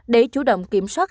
để chủ động kiểm soát